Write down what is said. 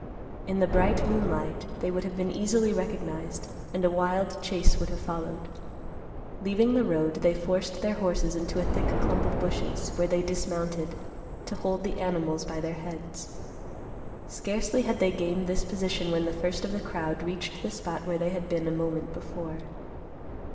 In the bright moonlight, they would have been easily recognized, and a wild chase would have followed. Leaving the road, they forced their horses into a thick clump of bushes, where they dismounted, to hold the animals by their heads. Scarcely had they gained this position when the first of the crowd reached the spot where they had been a moment before.